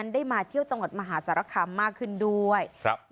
ได้มาเที่ยวจังหวัดมหาศาลคำมากขึ้นด้วย